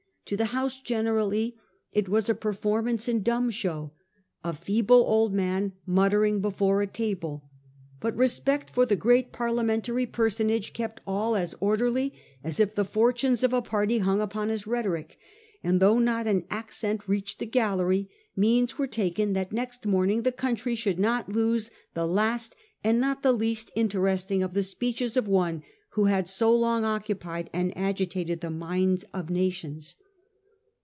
... To the House generally it was a performance in dumb show: a feeble old man muttering before a table ; but respect for the great Parliamentary personage kept all as orderly as if the fortunes of a party hung upon his rhetoric; and though not an accent reached the gallery, means were taken that next morning the country should not lose the last and not the least interesting of the speeches of one who had so long occupied and agitated the mind of nations.